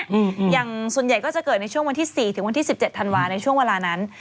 อย่างส่วนใหญ่ก็จะเกิดในช่วงวันที่๔๑๗ธันวาคมในช่วงเวลานั้น